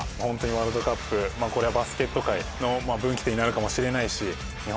ワールドカップこれはバスケット界の分岐点になるかもしれないし。